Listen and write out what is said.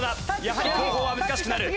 やはり後方は難しくなる。